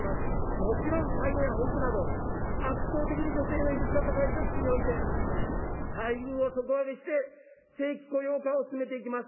もちろん介護や保育など、圧倒的に女性の比率が高い職種において、待遇を底上げして、正規雇用化を進めていきます。